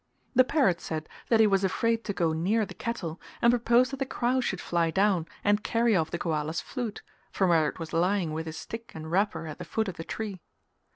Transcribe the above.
The parrot said that he was afraid to go near the cattle and proposed that the crow should fly down and carry off the Goala's flute, from where it was lying with his stick and wrapper at the foot of the tree.